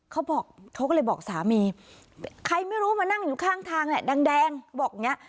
เขาก็เลยบอกสามีใครไม่รู้มานั่งอยู่ข้างทางแหละดังบอกอย่างนี้